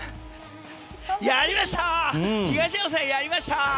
東山さん、やりました！